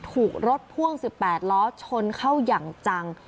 ถูกรถพ่วง๑๘ล้อชนเข้าอย่างจัง